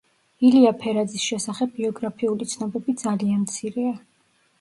ილია ფერაძის შესახებ ბიოგრაფიული ცნობები ძალიან მცირეა.